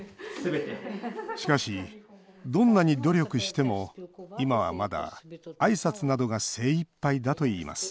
しかし、どんなに努力しても今はまだ、あいさつなどが精いっぱいだといいます